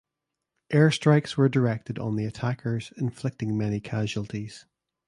Air strikes were directed on the attackers inflicting many casualties.